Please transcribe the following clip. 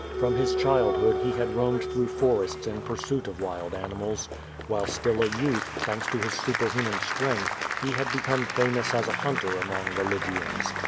From his childhood he had roamed through forests in pursuit of wild animals. While still a youth, thanks to his superhuman strength, he had become famous as a hunter among the Lygians.